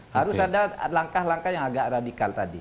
harus ada langkah langkah yang agak radikal tadi